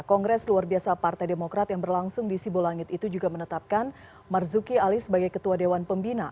kongres luar biasa partai demokrat yang berlangsung di sibolangit itu juga menetapkan marzuki ali sebagai ketua dewan pembina